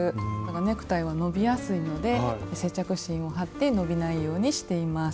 ネクタイは伸びやすいので接着芯を貼って伸びないようにしています。